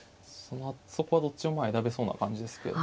そこはどっちも選べそうな感じですけど。